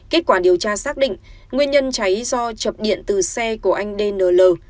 kết quả điều tra xác định nguyên nhân cháy do chập điện từ xe của anh dn